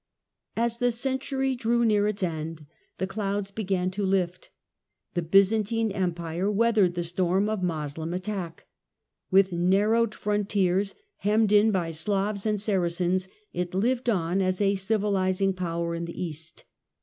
As the century drew near its end the clouds began Revival in to lift. The Byzantine Empire weathered the storm ce ° tury of Moslem attack. "With narrowed frontiers, hemmed in by Slavs and Saracens, it lived on as a civilising power in the east.